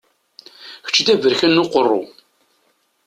Kečč d aberkan n uqerru!